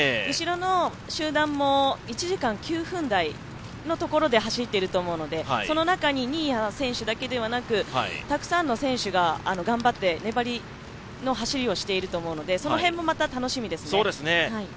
後ろの集団も１時間９分台のところで走ってると思うのでその中に新谷選手だけではなくたくさんの選手が頑張って粘りの走りをしていると思うので、その辺もまた楽しみですね。